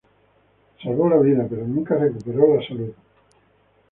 Salvó la vida, pero nunca recuperó la salud.